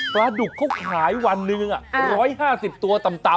ปลาดุกเขาขายวันหนึ่ง๑๕๐ตัวต่ำ